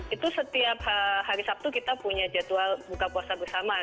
itu setiap hari sabtu kita punya jadwal buka puasa bersama